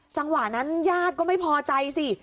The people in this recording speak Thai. จังหวะนั้นญาติก็ไม่พอใจสิ